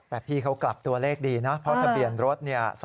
แต่พี่เขากลับตัวเลขดีนะเพราะทะเบียนรถเนี่ย